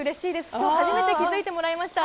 今日初めて気づいてもらえました。